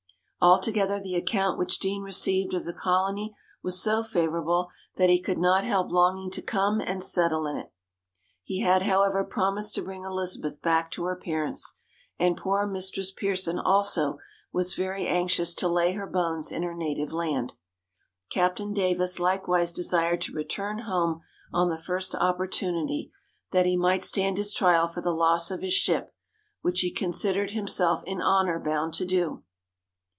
Altogether the account which Deane received of the colony was so favourable that he could not help longing to come and settle in it. He had, however, promised to bring Elizabeth back to her parents, and poor Mistress Pearson also was very anxious to lay her bones in her native land. Captain Davis likewise desired to return home on the first opportunity, that he might stand his trial for the loss of his ship, which he considered himself in honour bound to do.